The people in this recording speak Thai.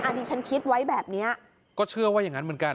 อันนี้ฉันคิดไว้แบบเนี้ยก็เชื่อว่าอย่างนั้นเหมือนกัน